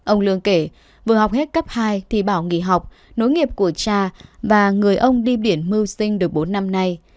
ông lương kể vừa học hết cấp hai thì bảo nghỉ học nối nghiệp của cha và người ông đi biển mưu sinh được bốn năm nay